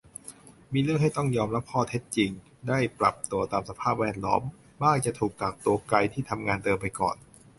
มีเรื่องให้ต้องยอมรับข้อเท็จจริง ได้ปรับตัวตามสภาพแวดล้อม บ้างจะถูกกักตัวไกลที่ทำงานเดิมไปก่อน